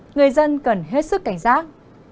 người dân cần hết sức cảnh giác